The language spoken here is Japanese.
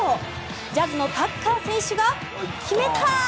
ジャズのタッカー選手が決めた！